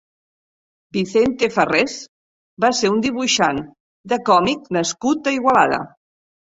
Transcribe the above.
Vicente Farrés va ser un dibuixant de còmic nascut a Igualada.